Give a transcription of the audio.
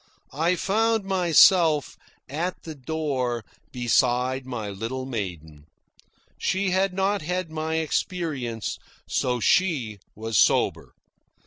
I found myself, at the door, beside my little maiden. She had not had my experience, so she was sober.